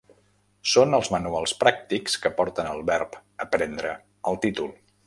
Són els manuals pràctics que porten el verb aprendre al títol.